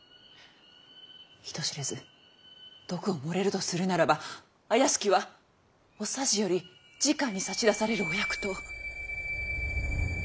人知れず毒を盛れるとするならば怪しきはお匙よりじかに差し出されるお薬湯。